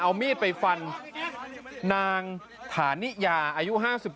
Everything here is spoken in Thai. สวยสวยสวยสวยสวยสวยสวยสวย